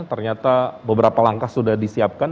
ternyata beberapa langkah sudah disiapkan